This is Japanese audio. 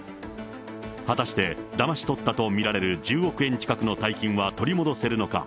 果たして、だまし取ったと見られる１０億円近くの大金は取り戻せるのか。